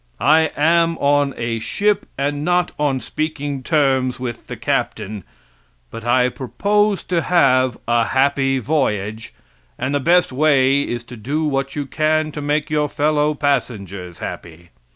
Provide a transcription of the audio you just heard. I am on a ship and not on speaking terms with the captain, but I propose to have a happy voyage, and the best way is to do what you can to make your fellow passengers happy.